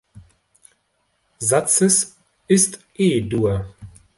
Satzes ist E-Dur.